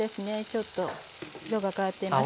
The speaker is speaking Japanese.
ちょっと色が変わっています。